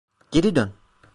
Geri dön.